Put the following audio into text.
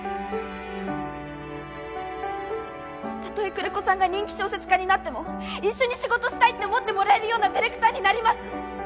たとえ久連木さんが人気小説家になっても一緒に仕事したいって思ってもらえるようなディレクターになります！